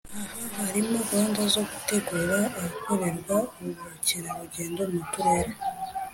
Aha harimo gahunda zo gutegura ahakorerwa ubukerarugendo mu turere